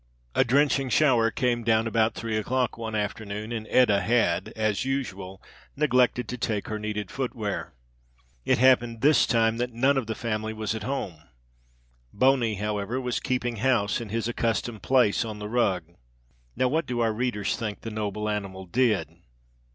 A drenching shower came down about three o'clock one afternoon and Etta had, as usual, neglected to take her needed footwear. It happened this time that none of the family was at home. Boney, however, was keeping house in his accustomed place on the rug. Now, what do our readers think the noble animal did.